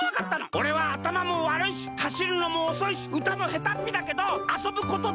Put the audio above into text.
おれはあたまもわるいしはしるのもおそいしうたもへたっぴだけどあそぶことだけはとくいだからさ！